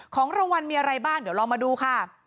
ของรวรรณมีอะไรบ้างเดี๋ยวเรามาดูค่ะ